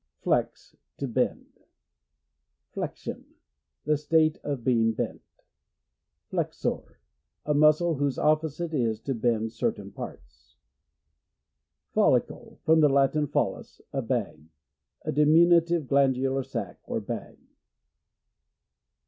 Flex.— To bend. Flexion. — The state of being bent. Flexor. — A muscle whose office it is to bend certain parts Follicle. — From the Latin, follis, a bag. A diminutive glandular sac, or bag.